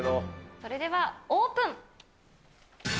それではオープン。